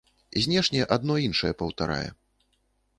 Знешне адно іншае паўтарае.